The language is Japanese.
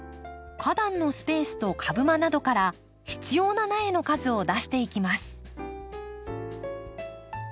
花壇のスペースと株間などから必要な苗の数を出していきます。